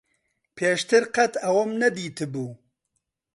پێشتر قەت ئەوەم نەدیتبوو.